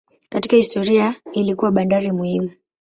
Katika historia ilikuwa bandari muhimu.